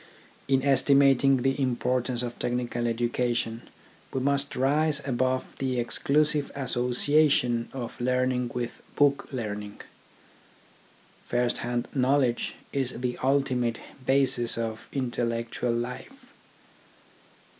In estimating the importance of technical education we must rise above the exclusive association of learning with book learning. First hand knowledge is the ultimate basis of intel lectual life.